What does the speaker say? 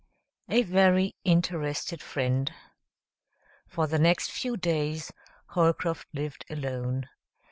A Very Interested Friend For the next few days, Holcroft lived alone.